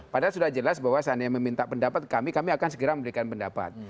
padahal sudah jelas bahwa seandainya meminta pendapat kami kami akan segera memberikan pendapat